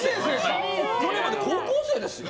去年まで高校生ですよ。